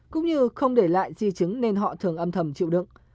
cũng như không để lại di chứng nên họ thường âm thầm chịu đựng